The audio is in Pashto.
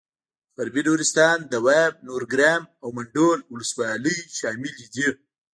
غربي نورستان دواب نورګرام او منډول ولسوالۍ شاملې دي.